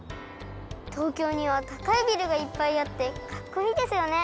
とうきょうにはたかいビルがいっぱいあってかっこいいですよね。